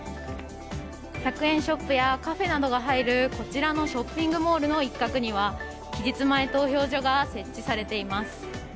１００円ショップやカフェなどが入るこちらのショッピングモールの一角には期日前投票所が設置されています。